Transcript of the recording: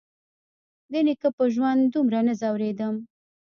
د نيکه په ژوند دومره نه ځورېدم.